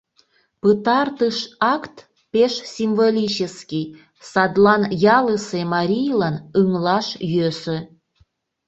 Пытартыш акт пеш символический, садлан ялысе марийлан ыҥлаш йӧсӧ.